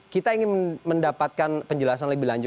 kita ingin mendapatkan penjelasan lebih lanjut